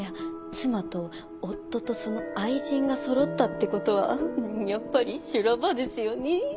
妻と夫とその愛人がそろったって事はやっぱり修羅場ですよねえ。